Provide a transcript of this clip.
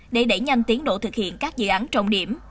để đẩy nhanh tiến độ thực hiện các dự án trọng điểm